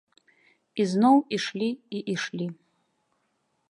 І зноў ішлі і ішлі.